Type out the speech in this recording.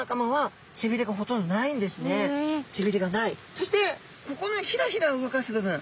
そしてここのひらひら動かす部分。